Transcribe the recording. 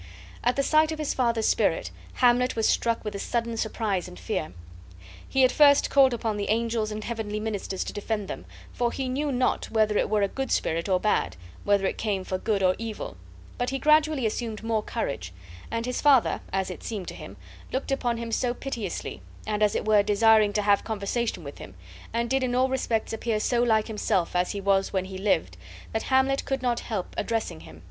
At the sight of his father's spirit Hamlet was struck with a sudden surprise and fear.' He at first called upon the angels and heavenly ministers to defend them, for he knew not whether it were a good spirit or bad, whether it came for good or evil; but he gradually assumed more courage; and his father (as it seemed to him) looked upon him so piteously, and as it were desiring to have conversation with him, and did in all respects appear so like himself as he was when he lived, that Hamlet could not help addressing him.